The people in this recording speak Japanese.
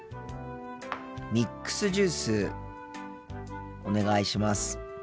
ミックスジュースお願いします。